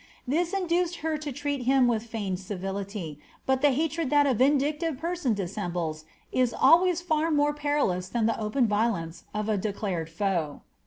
This induced her to treat him with feigned civility, but the hatred that a vindictive person dissembles is always (ar more perilous than the open violence of a declared foe.